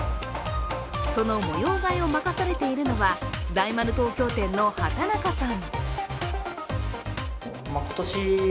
その模様替えを任されているのは大丸東京店の幡中さん。